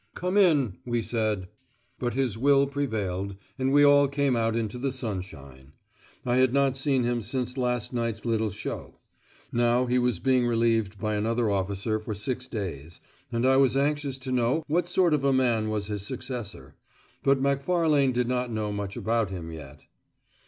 "Come in," we said. But his will prevailed, and we all came out into the sunshine. I had not seen him since last night's little show. Now he was being relieved by another officer for six days, and I was anxious to know what sort of a man was his successor. But Macfarlane did not know much about him yet.